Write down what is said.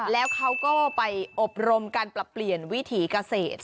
แล้วเขาก็ไปอบรมการปรับเปลี่ยนวิถีเกษตร